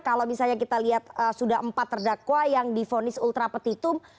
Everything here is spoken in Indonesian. kalau misalnya kita lihat sudah empat terdakwa yang difonis ultra petitum